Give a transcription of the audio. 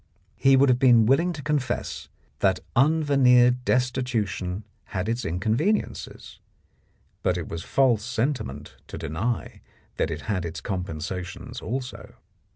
He would have been willing to confess that un veneered destitution had its inconveniences, but it was false sentiment to deny that it had its compensations also.